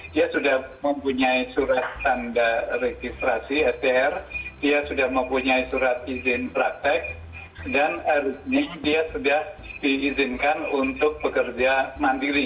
dia sudah mempunyai surat tanda registrasi sdr dia sudah mempunyai surat izin praktek dan harusnya dia sudah diizinkan untuk bekerja mandiri